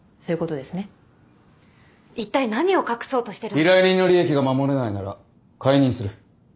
依頼人の利益が守れないなら解任する。